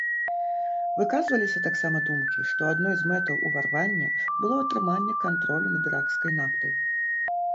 Выказваліся таксама думкі, што адной з мэтаў ўварвання было атрыманне кантролю над іракскай нафтай.